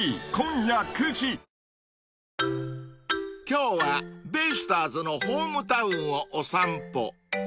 ［今日はベイスターズのホームタウンをお散歩］